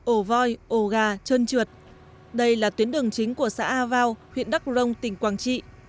ổ voi ồ gà chân trượt đây là tuyến đường chính của xã a vào huyện đắk rông tỉnh quảng trị